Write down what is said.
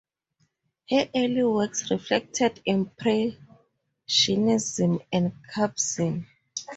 Her early works reflected Impressionism and cubism.